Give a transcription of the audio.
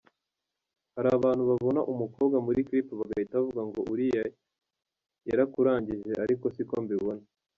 Hari abantu babona umukobwa muri clip bagahita bavuga ngo uriya yarakurangije ariko siko mbibona.